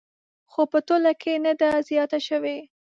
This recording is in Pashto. خو په ټوله کې نه ده زیاته شوې